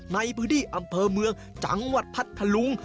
ในบริษัทอำเภอเมืองจังหวัดพัทธลุง